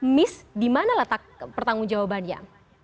miss di mana letak pertanggung jawabannya